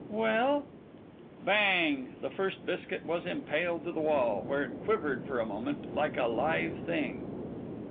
"Well " Bang! The first biscuit was impaled to the wall, where it quivered for a moment like a live thing.